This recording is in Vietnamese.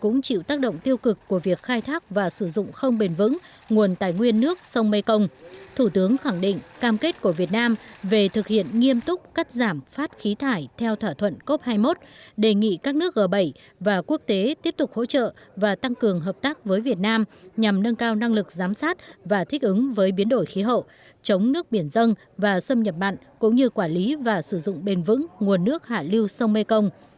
nguồn tài nguyên nước sông mekong thủ tướng khẳng định cam kết của việt nam về thực hiện nghiêm túc cắt giảm phát khí thải theo thỏa thuận cop hai mươi một đề nghị các nước g bảy và quốc tế tiếp tục hỗ trợ và tăng cường hợp tác với việt nam nhằm nâng cao năng lực giám sát và thích ứng với biến đổi khí hậu chống nước biển dân và xâm nhập mặn cũng như quản lý và sử dụng bền vững nguồn nước hạ lưu sông mekong